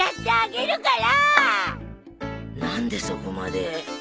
何でそこまで。